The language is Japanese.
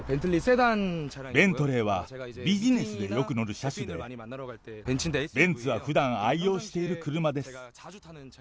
ベントレーはビジネスでよく乗る車種で、ベンツはふだん愛用している車です。